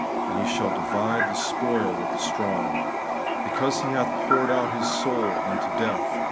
And He shaU divide the spoil with the strong, Because He hath poured out His soul unto death.